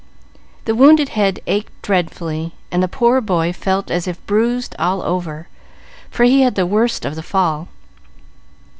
The wounded head ached dreadfully, and the poor boy felt as if bruised all over, for he had the worst of the fall.